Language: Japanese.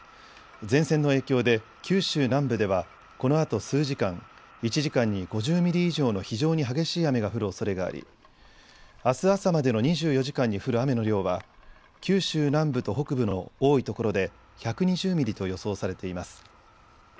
前線の影響で九州南部ではこのあと数時間、１時間に５０ミリ以上の非常に激しい雨が降るおそれがありあす朝までの２４時間に降る雨の量は九州南部と北部の多いところで１２０ミリと予想されています。